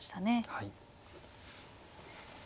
はい。